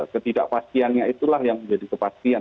ketidakpastiannya itulah yang menjadi kepastian